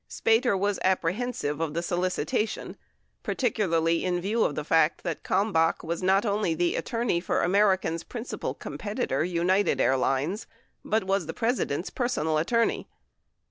Spater was apprehensive of the solicitation, particularly in view of the fact that Kalmbach was not only the attorney for Ameri can's principal competitor, United Airlines, but was the President's personal attorney.